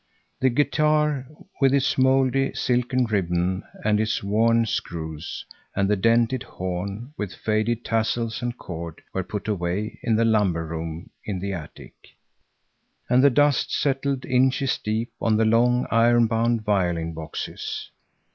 The guitar, with its mouldy, silken ribbon and its worn screws, and the dented horn, with faded tassels and cord were put away in the lumber room in the attic, and the dust settled inches deep on the long, iron bound violin boxes.